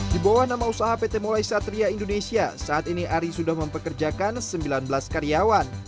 di bawah nama usaha pt mulai satria indonesia saat ini ari sudah mempekerjakan sembilan belas karyawan